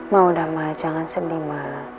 ma udah ma jangan sedih ma